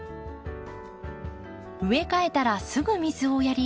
植え替えたらすぐ水をやり